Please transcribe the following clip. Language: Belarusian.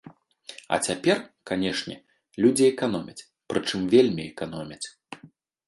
А цяпер, канешне, людзі эканомяць, прычым вельмі эканомяць.